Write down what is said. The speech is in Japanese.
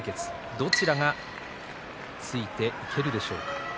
どちらがついていけるでしょうか。